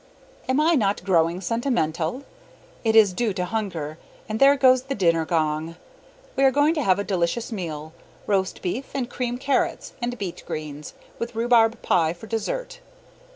Am I not growing sentimental? It is due to hunger and there goes the dinner gong! We are going to have a delicious meal: roast beef and creamed carrots and beet greens, with rhubarb pie for dessert.